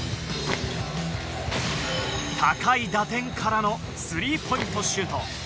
高い打点からのスリーポイントシュート。